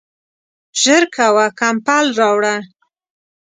ژر کوه ، کمپل راوړه !